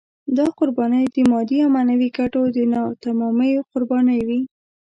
دا قربانۍ د مادي او معنوي ګټو د ناتمامیو قربانۍ وې.